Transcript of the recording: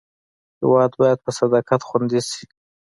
هېواد باید په صداقت خوندي شي.